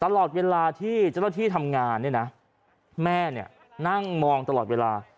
ตลอดเวลาที่เจ้าหน้าที่ทำงานเนี่ยนะแม่เนี่ยนั่งมองตลอดเวลา